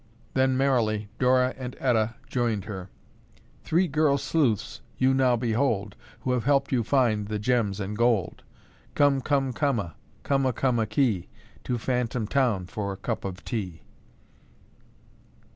Then merrily Dora and Etta joined her: "Three girl sleuths you now behold Who have helped you find the gems and gold. Come, come, coma, Coma, coma, kee. To Phantom Town For a cup of tea."